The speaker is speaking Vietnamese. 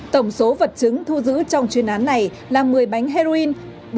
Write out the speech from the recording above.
tổng số vật chứng thu giữ trong chuyên án này là một mươi bánh heroin